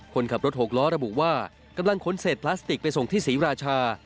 คนขับรถหกล้อระบุว่ากำลังขนเศษพลาสติกไปส่งที่ศรีราชา